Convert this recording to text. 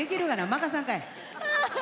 任さんかい。